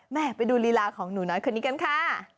ไปดูลีลาของหนูน้อยคนนี้กันค่ะ